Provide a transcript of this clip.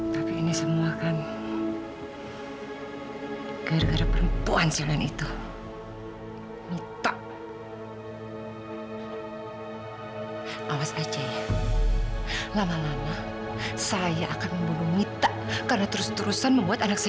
dan tempatnya memang di sini